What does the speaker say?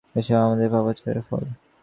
এসব আমাদের পাপাচারের ফল।